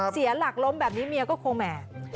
เสียหลักล้มแบบนี้เมียก็คงแหม